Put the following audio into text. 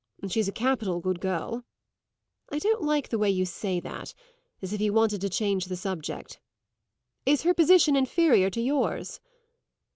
"She's a capital good girl." "I don't like the way you say that as if you wanted to change the subject. Is her position inferior to yours?"